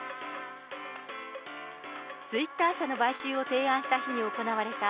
ツイッター社の買収を提案した日に行われた